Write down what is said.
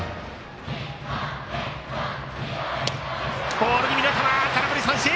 ボール気味の球、空振り三振！